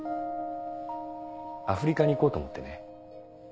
アフリカに行こうと思ってね。